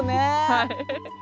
はい。